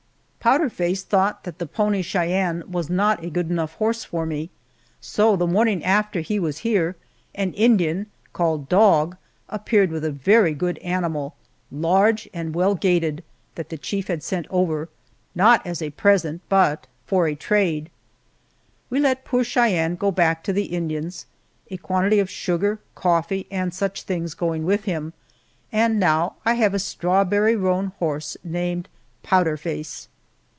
Powder Face thought that the pony Cheyenne was not a good enough horse for me, so the morning after he was here an Indian, called Dog, appeared with a very good animal, large and well gaited, that the chief had sent over, not as a present, but for a trade. We let poor Cheyenne go back to the Indians, a quantity of sugar, coffee, and such things going with him, and now I have a strawberry roan horse named Powder Face.